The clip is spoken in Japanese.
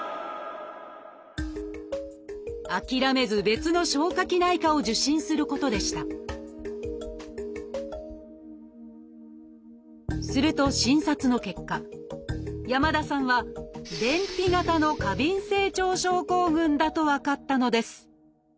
諦めず別の消化器内科を受診することでしたすると診察の結果山田さんはだと分かったのです。